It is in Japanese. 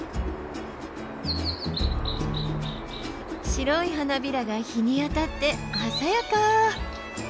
白い花びらが日に当たって鮮やか！